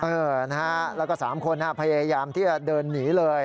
เออนะฮะแล้วก็๓คนพยายามที่จะเดินหนีเลย